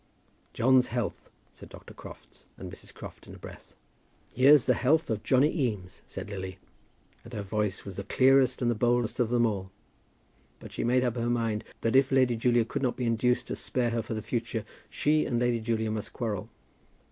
"John's health," said Dr. Crofts and Mrs. Crofts in a breath. "Here's the health of Johnny Eames," said Lily; and her voice was the clearest and the boldest of them all. But she made up her mind that if Lady Julia could not be induced to spare her for the future, she and Lady Julia must quarrel.